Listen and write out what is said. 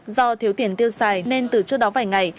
do thiếu tiền tiêu xài nên từ trước đó vài ngày